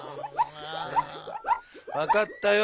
わかったよ。